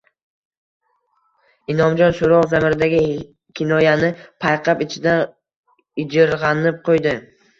Inomjon so`roq zamiridagi kinoyani payqab, ichidan ijirg`anib qo`ydi